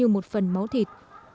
một phần máu thịt